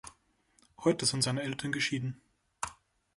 Heute sind seine Eltern geschieden.